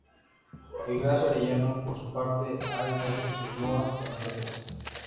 Ignacio Arellano por su parte ha editado sus loas completas.